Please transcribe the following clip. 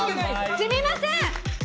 ・すみません！